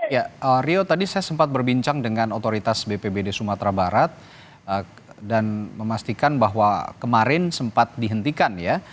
ya rio tadi saya sempat berbincang dengan otoritas bpbd sumatera barat dan memastikan bahwa kemarin sempat dihentikan ya